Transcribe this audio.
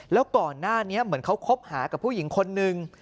แล้วก่อนหน้านี้เหมือนเขาคบหากับผู้หญิงคนนึง